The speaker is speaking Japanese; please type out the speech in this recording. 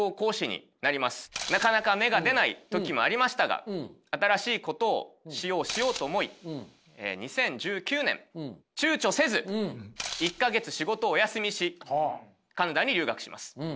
なかなか芽が出ない時もありましたが新しいことをしようしようと思い２０１９年躊躇せず１か月仕事をお休みしカナダに留学します。